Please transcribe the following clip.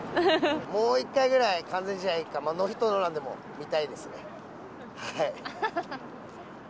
もう一回ぐらい、完全試合、ノーヒットノーランでも見たいですね。